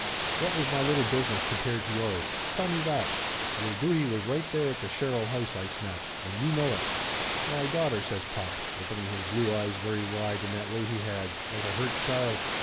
What was my little business compared to yours ? Tell me that !" "Your duty was right there at the Sherrill house!" I snapped. "And you know it." "Why, daughter!" says pop, opening his blue eyes very wide in that way he had, like a hurt child.